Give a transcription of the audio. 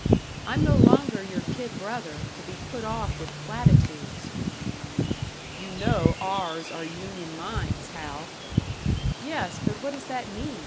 I'm no longer your kid brother, to be put off with platitudes." "You know ours are union mines, Hal " "Yes, but what does that mean?